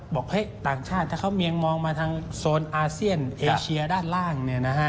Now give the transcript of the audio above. ต่างชาติถ้าเขาเมียงมองมาทางโซนอาเซียนเอเชียด้านล่าง